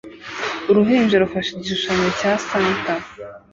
Uruhinja rufashe igishushanyo cya Santa